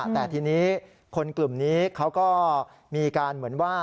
แต่ทีนี้คนกลุ่มนี้เขาก็มีการเหมือนว่า